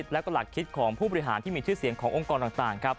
แล้วก็หลักคิดของผู้บริหารที่มีชื่อเสียงขององค์กรต่าง